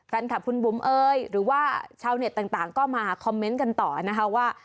แฟนคลับคุณบุ๋มเอยหรือว่าชาวเน็ตต่างก็มาคอมเมนต์กันต่อนะคะว่า